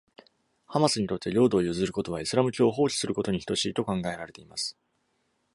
ハマスにとって、領土を譲ることはイスラム教を放棄することに等しいと考えられています。